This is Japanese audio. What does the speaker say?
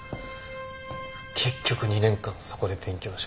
結局２年間そこで勉強しました。